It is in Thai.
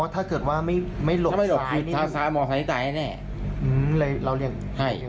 อ๋อถ้าเกิดว่าไม่หลบสายนี้หรออ๋อใช่